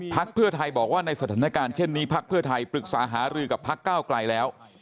เพื่อไทยบอกว่าในสถานการณ์เช่นนี้พักเพื่อไทยปรึกษาหารือกับพักก้าวไกลแล้ว